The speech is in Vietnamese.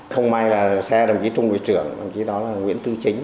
không may là xe đồng ký trung đội trưởng đồng ký đó là nguyễn tư chính